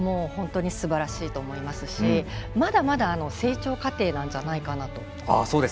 本当にすばらしいと思いますしまだまだ成長過程なんじゃないかなと。